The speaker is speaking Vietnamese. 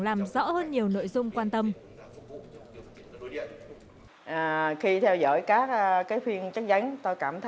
làm rõ hơn nhiều nội dung quan tâm